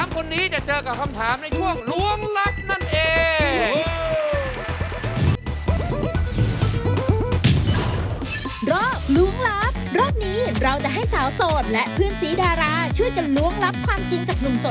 คนนี้จะเจอกับคำถามในช่วงล้วงลับนั่นเอง